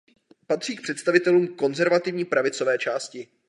Patří k představitelům konzervativní pravicové části.